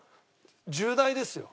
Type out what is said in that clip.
重大ですよ。